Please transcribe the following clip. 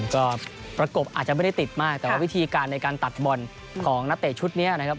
ก็ประกบอาจจะไม่ได้ติดมากแต่ว่าวิธีการในการตัดบอลของนักเตะชุดนี้นะครับ